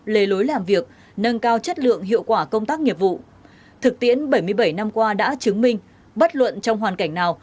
lề lối làm việc nâng cao chất lượng hiệu quả công tác nghiệp vụ thực tiễn bảy mươi bảy năm qua đã chứng minh bất luận trong hoàn cảnh nào